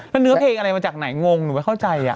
แล้วเนื้อเพลงอะไรมาจากไหนงงหนูไม่เข้าใจ